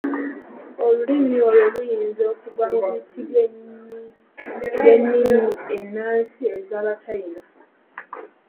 Olulimi olwo luyinza okugwa mu biti by'ennimi ennansi ez'abachina.